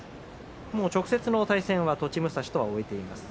もう直接の対戦は栃武蔵と終えています。